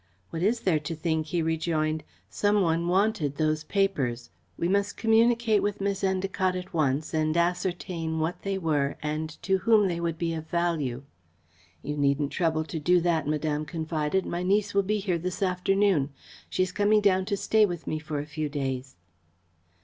"What is there to think?" he rejoined. "Some one wanted those papers. We must communicate with Miss Endacott at once and ascertain what they were and to whom they would be of value." "You needn't trouble to do that," Madame confided; "my niece will be here this afternoon. She is coming down to stay with me for a few days."